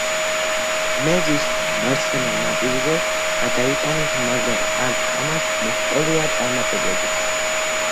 მეზის მარცხენა ნაპირზე გადაიტანეს, მაგრამ არც ამას მოჰყოლია წარმატებები.